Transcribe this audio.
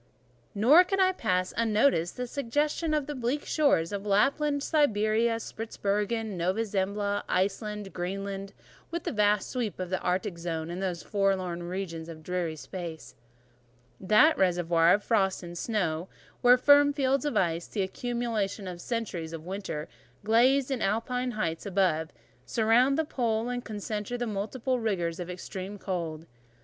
Nor could I pass unnoticed the suggestion of the bleak shores of Lapland, Siberia, Spitzbergen, Nova Zembla, Iceland, Greenland, with "the vast sweep of the Arctic Zone, and those forlorn regions of dreary space,—that reservoir of frost and snow, where firm fields of ice, the accumulation of centuries of winters, glazed in Alpine heights above heights, surround the pole, and concentre the multiplied rigours of extreme cold."